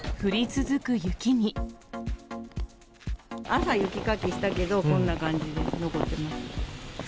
朝、雪かきしたけど、こんな感じで残ってます。